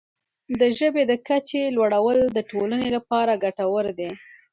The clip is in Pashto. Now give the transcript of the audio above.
د ژبې د کچې لوړول د ټولنې لپاره ګټور دی.